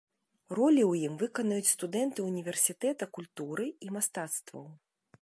Ролі ў ім выканаюць студэнты ўніверсітэта культуры і мастацтваў.